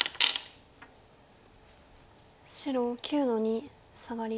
白９の二サガリ。